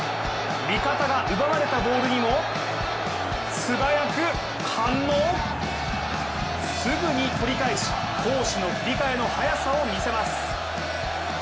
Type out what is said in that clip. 見方が奪われたボールにも素早く反応すぐに取り返し攻守の切り替えの早さを見せます。